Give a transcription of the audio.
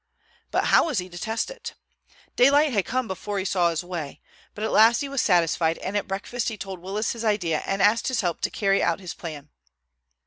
But how was he to test it? Daylight had come before he saw his way; but at last he was satisfied, and at breakfast he told Willis his idea and asked his help to carry out his plan.